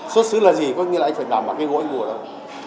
xuất xứ là gì có nghĩa là anh phải đảm bảo cái gỗ anh mua đâu